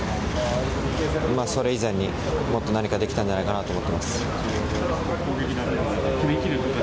それ以前に、もっと何かできたんじゃないかなと思っています。